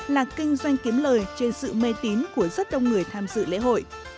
là kinh doanh kiếm lời trên sự mê tín của rất đông người tham dự lễ hội